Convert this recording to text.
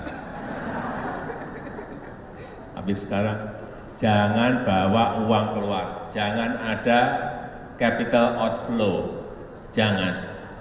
tapi sekarang jangan bawa uang keluar jangan ada capital outflow jangan